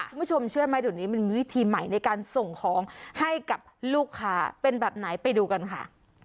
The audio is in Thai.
คุณผู้ชมเชื่อไหมเดี๋ยวนี้มันมีวิธีใหม่ในการส่งของให้กับลูกค้าเป็นแบบไหนไปดูกันค่ะ